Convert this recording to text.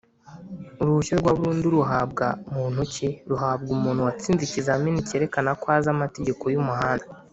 uruhushya rwa burundu ruhabwa muntuki?ruhabwa umuntu watsinze ikizami cyerekana ko azi amategeko y’umuhanda